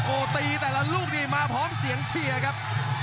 โอ้โหตีแต่ละลูกนี่มาพร้อมเสียงเชียร์ครับ